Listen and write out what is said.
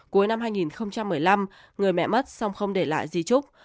cuối năm hai nghìn một mươi năm người mẹ mất xong không để lại di trúc